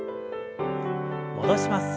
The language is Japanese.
戻します。